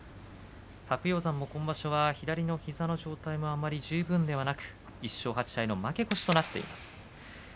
白鷹山も今場所は左の膝の状態があまり十分ではなく１勝８敗の負け越しとなっています。